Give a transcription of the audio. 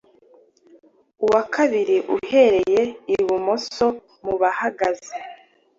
uwa kabiri uhereye i bumoso mu bahagaze